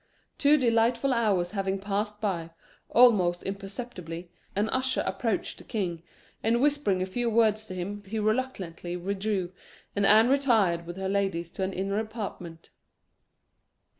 Two delightful hours having passed by, almost imperceptibly, an usher approached the king, and whispering a few words to him, he reluctantly withdrew, and Anne retired with her ladies to an inner apartment.